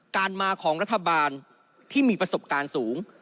การมาของรัฐบาลที่มีประสบการณ์สูง